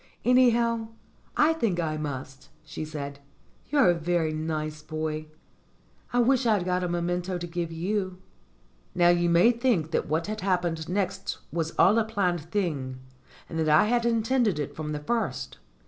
"Anyhow, I think I must," she said. "You're a very nice boy. I wish I had got a memento to give you." Now you may think that what happened next was all a planned thing, and that I had intended it from the first.